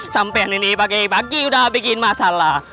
sampai ini pagi pagi udah bikin masalah